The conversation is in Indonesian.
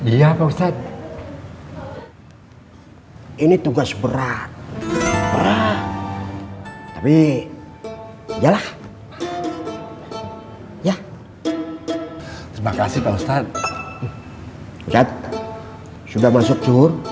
iya pak ustadz ini tugas berat tapi iyalah ya terima kasih pak ustadz ustadz sudah masuk suhur